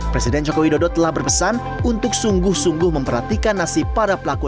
presiden jokowi dodo telah berpesan untuk sungguh sungguh memperhatikan nasib para pelaku